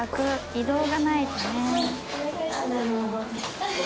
移動がないとね。